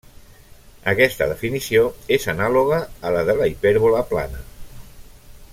Aquesta definició és anàloga a la de la hipèrbola plana.